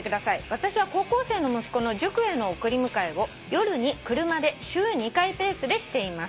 「私は高校生の息子の塾への送り迎えを夜に車で週２回ペースでしています」